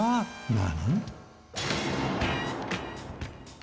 何？